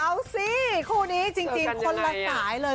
เอาสิคู่นี้จริงคนละสายเลย